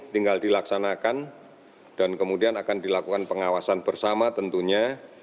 tinggal dilaksanakan dan kemudian akan dilakukan pengawasan bersama tentunya